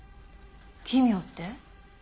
奇妙って？